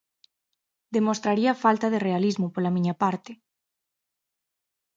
Demostraría falta de realismo pola miña parte.